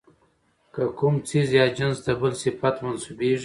که کوم څيز ىا جنس ته بل صفت منسوبېږي،